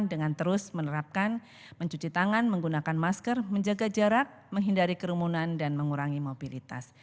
dengan terus menerapkan mencuci tangan menggunakan masker menjaga jarak menghindari kerumunan dan mengurangi mobilitas